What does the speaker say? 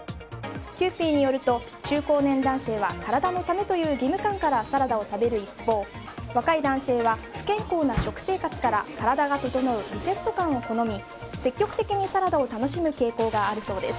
キユーピーによると中高年男性は体のためという義務感からサラダを食べる一方若い男性は不健康な食生活から、体が整うリセット感を好み積極的にサラダを楽しむ傾向があるそうです。